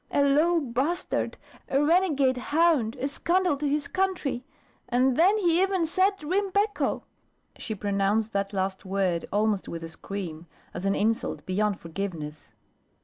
"A low bastard, a renegade hound, a scandal to his country and then he even said Rimbecco." She pronounced the last word almost with a scream, as an insult beyond forgiveness.